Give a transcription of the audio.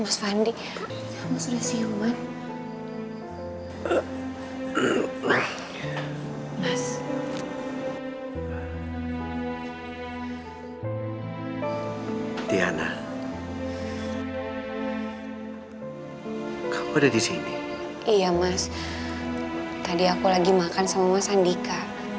sampai jumpa di video selanjutnya